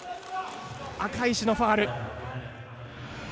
赤石のファウル。